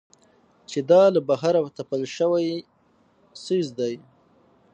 چې دا له بهره تپل شوى څيز دى.